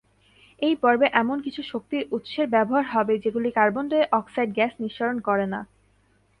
এই পর্বে এমন কিছু শক্তির উৎসের ব্যবহার হবে যেগুলি কার্বন ডাই অক্সাইড গ্যাস নিঃসরণ করে না।